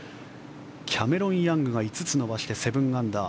キャメロン・ヤングが５つ伸ばして７アンダー。